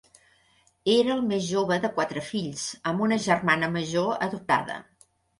Era el més jove de quatre fills, amb una germana major adoptada.